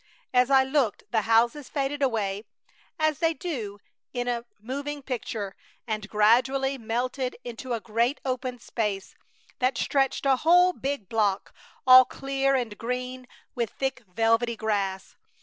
As I looked the houses faded away, as they do in a moving picture, and gradually melted into a great open space that stretched a whole big block, all clear and green with thick velvety grass.